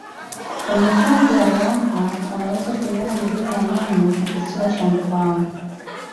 kwenye hifadhi ya ruaha unaweza kuiona milima ya nyanywa na kisima cha mkwawa